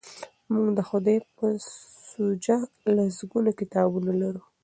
موږ د خدای په سوژه لسګونه کتابونه لرو.